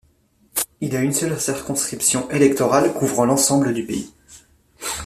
Il y a une seule circonscription électorale couvrant l'ensemble du pays.